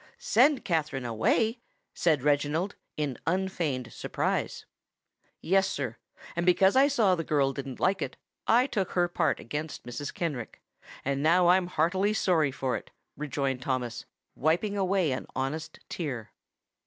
"Send Katherine away!" said Reginald, in unfeigned surprise. "Yes, sir; and because I saw the girl didn't like it, I took her part against Mrs. Kenrick; and I'm now heartily sorry for it," rejoined Thomas, wiping away an honest tear.